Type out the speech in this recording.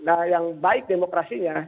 negara barat yang baik demokrasinya